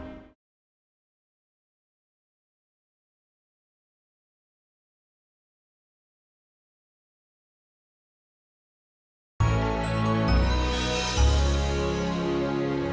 sebaiknya negara tuhan